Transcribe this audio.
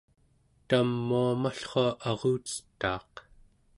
tamuamallrua arucetaaq